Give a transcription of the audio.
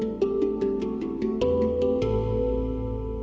はい。